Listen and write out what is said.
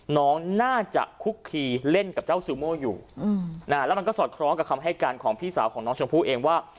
น้องน่าจะคุกคีเล่นกับเจ้าซูโม่อยู่แล้วมันก็สอดคล้องกับคำให้การของพี่สาวของน้องชมพู่เองว่า